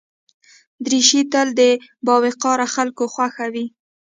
دریشي تل د باوقاره خلکو خوښه وي.